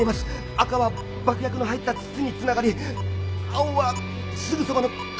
赤は爆薬の入った筒につながり青はすぐそばの黒い箱につながってる。